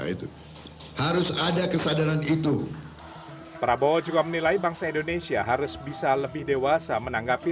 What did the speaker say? itu harus ada kesadaran itu prabowo juga menilai bangsa indonesia harus bisa lebih dewasa menanggapi